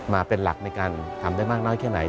มาเป็นหลักในการทำได้มากน้อยแค่ไหน